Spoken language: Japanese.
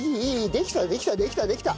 できたできたできたできた。